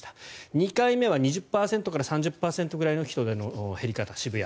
２回目は２０％から３０％ぐらいの人出の減り方渋谷。